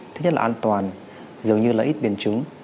thứ nhất là an toàn dường như là ít biến chứng